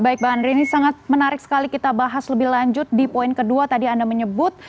baik mbak andri ini sangat menarik sekali kita bahas lebih lanjut di poin kedua tadi anda menyebut